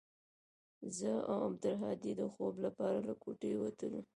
زه او عبدالهادي د خوب لپاره له كوټې وتلو.